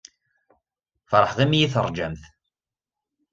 Feṛḥeɣ imi iyi-tuṛǧamt.